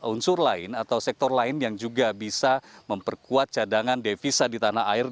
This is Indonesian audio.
unsur lain atau sektor lain yang juga bisa memperkuat cadangan devisa di tanah air